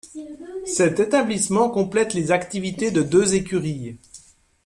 Cet établissement complète les activités de deux écuries.